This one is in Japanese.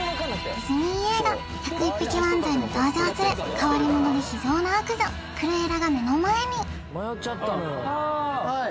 ディズニー映画１０１匹わんちゃんに登場する変わり者で非情な悪女クルエラが目の前にあハイ！